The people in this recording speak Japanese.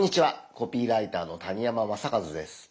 コピーライターの谷山雅計です。